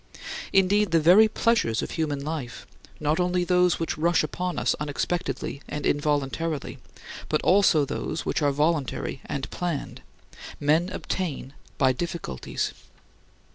Indeed, the very pleasures of human life not only those which rush upon us unexpectedly and involuntarily, but also those which are voluntary and planned men obtain by difficulties.